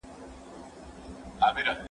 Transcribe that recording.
زه اوس سينه سپين کوم